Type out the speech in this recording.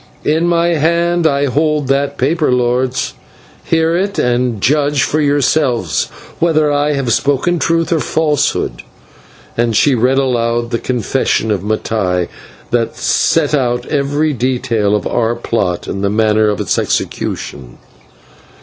In my hand I hold that paper, lords; hear it and judge for yourselves whether I have spoken truth or falsehood" and she read aloud the confession of Mattai, that set out every detail of our plot and the manner of its execution.